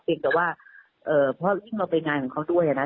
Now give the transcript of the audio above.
เพียงแต่ว่าเพราะว่าเราเป็นงานของเขาด้วยนะ